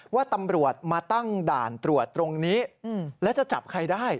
ว่าตำรวจมาตั้งด่านตรวจตรงนี้และจะจับใครได้